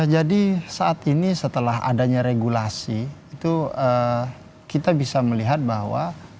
jadi saat ini setelah adanya regulasi itu kita bisa melihat bahwa